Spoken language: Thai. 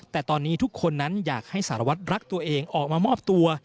แต่ตอนนี้ทุกคนนั้นอยากให้สารวัตรรักตัวเองออกมามอบตัว